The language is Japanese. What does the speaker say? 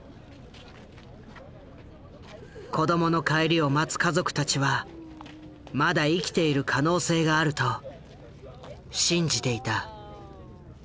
子どもの帰りを待つ家族たちはまだ生きている可能性があると信じていた。